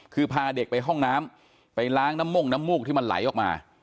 คือพาเด็กไปห้องน้ำไปล้างน้ำม่งน้ำมูกที่มันไหลออกมา